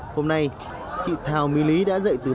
hôm nay chị thào mì lý đã giới thiệu